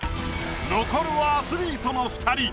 残るはアスリートの二人！